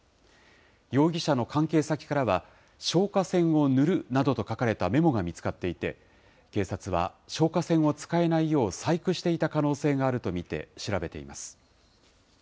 容疑者の関係先からは、消火栓を塗るなどと書かれたメモが見つかっていて、警察は消火栓を使えないよう細工していた可能性があると見て、調べています。